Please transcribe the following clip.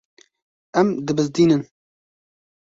Em dibizdînin.